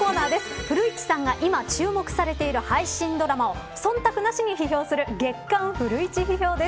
古市さんが、今注目されている配信ドラマを忖度なしに批評する月刊フルイチ批評です。